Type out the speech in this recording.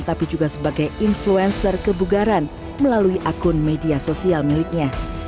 tapi juga sebagai influencer kebugaran melalui akun media sosial miliknya